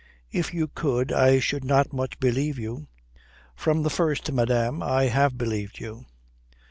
"If you could I should not much believe you. From the first, madame, I have believed you."